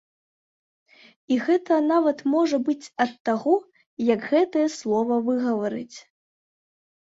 І гэта нават можа быць ад таго, як гэтае слова выгаварыць.